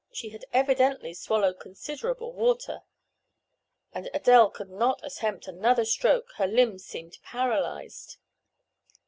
She had evidently swallowed considerable water. And Adele could not attempt another stroke—her limbs seemed paralyzed.